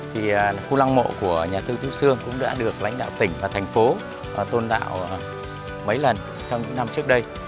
thì khu lăng mộ của nhà thơ tú sương cũng đã được lãnh đạo tỉnh và thành phố tôn tạo mấy lần trong những năm trước đây